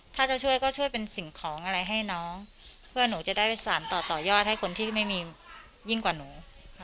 ถ้าจะช่วยก็ช่วยเป็นสิ่งของอะไรให้น้องเพื่อหนูจะได้ไปสารต่อต่อยอดให้คนที่ไม่มียิ่งกว่าหนู